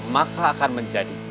maka akan menjadi